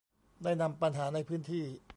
ได้นำปัญหาในพื้นที่